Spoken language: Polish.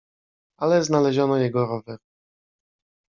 "Ale znaleziono jego rower."